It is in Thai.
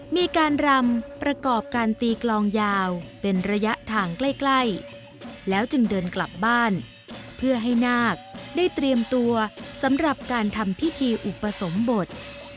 มีการรำประกอบการตีกลองยาวเป็นระยะทางใกล้แล้วจึงเดินกลับบ้านเพื่อให้นาคได้เตรียมตัวสำหรับการทำพิธีอุปสมบท